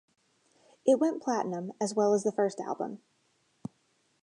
It went Platinum as well as the first album.